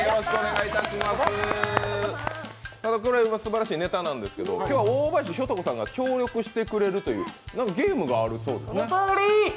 すばらしいネタなんですけど、今日は、大林ひょと子さんが協力してくれるという何かゲームがあるそうですね。